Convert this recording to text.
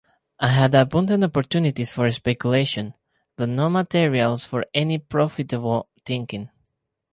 I had abundant opportunities for speculation, but no materials for any profitable thinking.